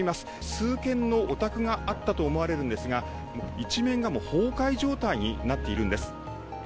数軒のお宅があったと思われるんですが、一面がもう崩壊状態になっているんです。